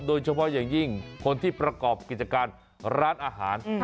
โดยเฉพาะอย่างยิ่งคนที่ประกอบกิจการร้านอาหาร